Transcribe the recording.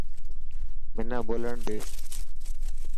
منا ٻولڻ ڏي.